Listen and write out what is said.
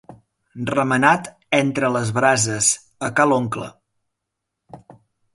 Remenat entre les brases a ca l'oncle.